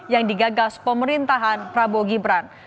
yang digagas pemerintahan prabowo gibran